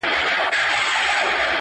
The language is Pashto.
د سوال په اوبو ژرنده نه گرځي.